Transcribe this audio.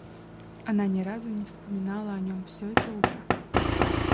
Она ни разу не вспоминала о нем всё это утро.